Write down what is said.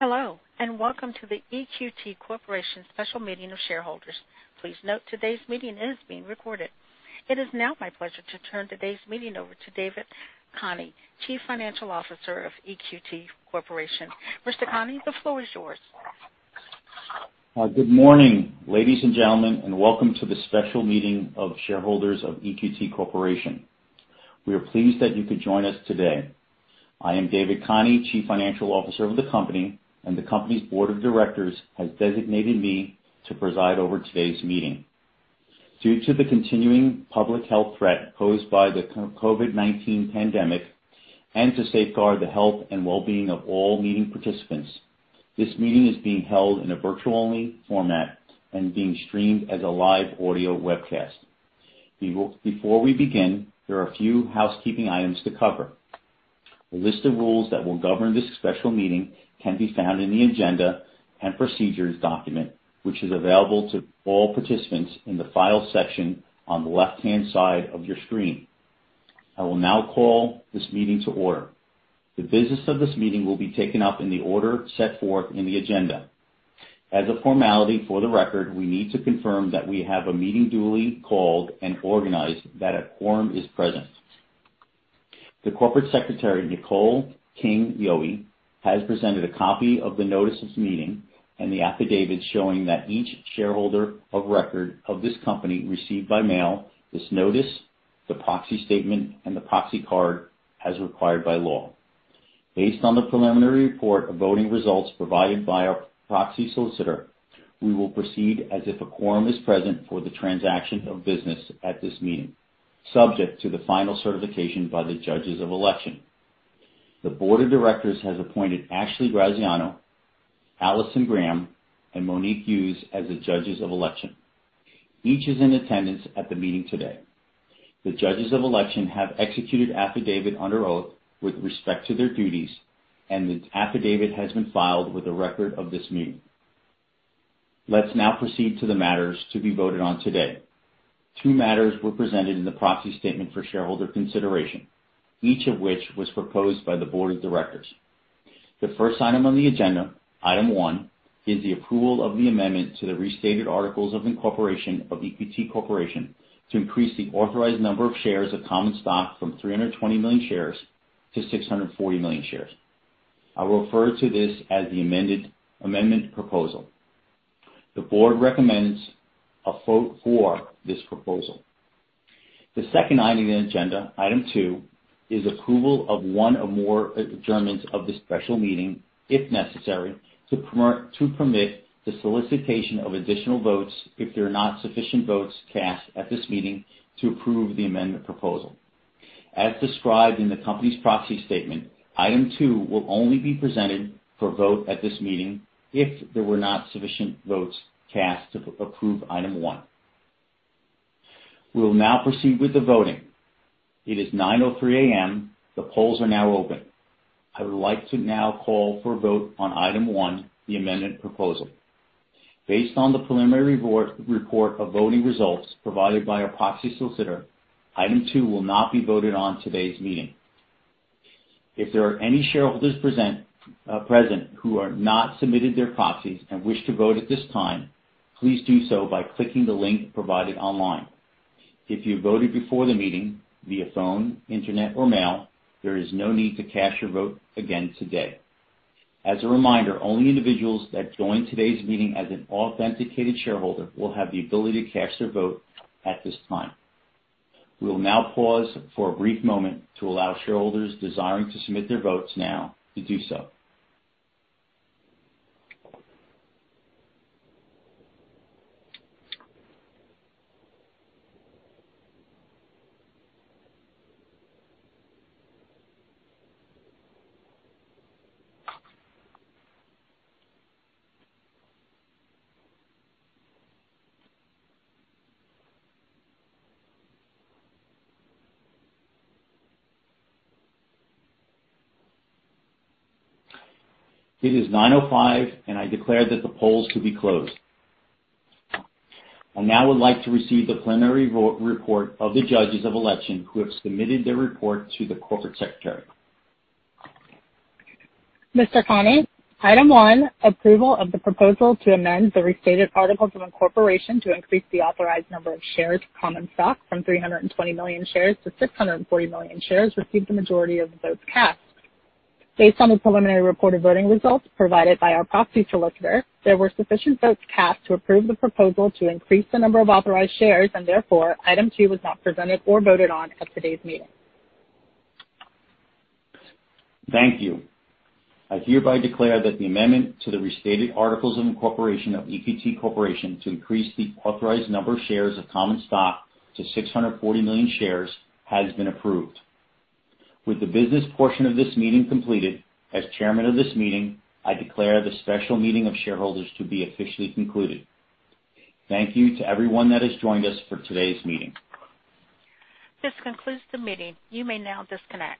Hello, and welcome to the EQT Corporation special meeting of shareholders. Please note today's meeting is being recorded. It is now my pleasure to turn today's meeting over to David Khani, chief financial officer of EQT Corporation. Mr. Khani, the floor is yours. Good morning, ladies and gentlemen, and welcome to the special meeting of shareholders of EQT Corporation. We are pleased that you could join us today. I am David Khani, chief financial officer of the company, and the company's board of directors has designated me to preside over today's meeting. Due to the continuing public health threat posed by the COVID-19 pandemic and to safeguard the health and wellbeing of all meeting participants, this meeting is being held in a virtual-only format and being streamed as a live audio webcast. Before we begin, there are a few housekeeping items to cover. A list of rules that will govern this special meeting can be found in the agenda and procedures document, which is available to all participants in the Files section on the left-hand side of your screen. I will now call this meeting to order. The business of this meeting will be taken up in the order set forth in the agenda. As a formality for the record, we need to confirm that we have a meeting duly called and organized that a quorum is present. The Corporate Secretary, Nicole King Yohe, has presented a copy of the notice of this meeting and the affidavit showing that each shareholder of record of this company received by mail this notice, the proxy statement, and the proxy card as required by law. Based on the preliminary report of voting results provided by our proxy solicitor, we will proceed as if a quorum is present for the transaction of business at this meeting, subject to the final certification by the judges of election. The board of directors has appointed Ashley Graziano, Allison Graham, and Monique Hughes as the judges of election. Each is in attendance at the meeting today. The judges of election have executed affidavit under oath with respect to their duties, and the affidavit has been filed with the record of this meeting. Let's now proceed to the matters to be voted on today. Two matters were presented in the proxy statement for shareholder consideration, each of which was proposed by the board of directors. The first item on the agenda, Item 1, is the approval of the amendment to the Restated Articles of Incorporation of EQT Corporation to increase the authorized number of shares of common stock from 320 million shares to 640 million shares. I will refer to this as the amendment proposal. The board recommends a vote for this proposal. The second item on the agenda, Item 2, is approval of one or more adjournments of the special meeting, if necessary, to permit the solicitation of additional votes if there are not sufficient votes cast at this meeting to approve the amendment proposal. As described in the company's proxy statement, Item 2 will only be presented for vote at this meeting if there were not sufficient votes cast to approve Item 1. We will now proceed with the voting. It is 9:03 A.M. The polls are now open. I would like to now call for a vote on Item 1, the amendment proposal. Based on the preliminary report of voting results provided by our proxy solicitor, Item 2 will not be voted on in today's meeting. If there are any shareholders present who have not submitted their proxies and wish to vote at this time, please do so by clicking the link provided online. If you voted before the meeting via phone, internet, or mail, there is no need to cast your vote again today. As a reminder, only individuals that join today's meeting as an authenticated shareholder will have the ability to cast their vote at this time. We will now pause for a brief moment to allow shareholders desiring to submit their votes now to do so. It is 9:05 A.M. I declare that the polls can be closed. I now would like to receive the preliminary report of the judges of election who have submitted their report to the Corporate Secretary. Mr. Khani, Item 1, approval of the proposal to amend the restated articles of incorporation to increase the authorized number of shares of common stock from 320 million shares to 640 million shares received the majority of the votes cast. Based on the preliminary report of voting results provided by our proxy solicitor, there were sufficient votes cast to approve the proposal to increase the number of authorized shares, and therefore, Item 2 was not presented or voted on at today's meeting. Thank you. I hereby declare that the amendment to the Restated Articles of Incorporation of EQT Corporation to increase the authorized number of shares of common stock to 640 million shares has been approved. With the business portion of this meeting completed, as chairman of this meeting, I declare the special meeting of shareholders to be officially concluded. Thank you to everyone that has joined us for today's meeting. This concludes the meeting. You may now disconnect.